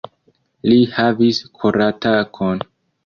Li havis koratakon.